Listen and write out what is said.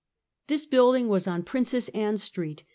This building was on Princess Ann street.